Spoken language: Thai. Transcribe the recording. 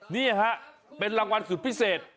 นี่ฮะเป็นรางวัลสุดพิเศษ